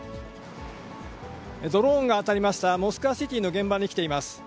ドローンが当たりましたモスクワシティの現場に来ています。